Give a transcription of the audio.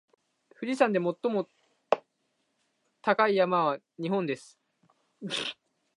富士山は日本で最も高い山です。